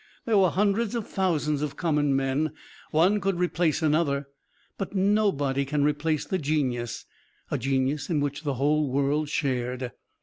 There were hundreds of thousands of common men. One could replace another, but nobody could replace the genius, a genius in which the whole world shared.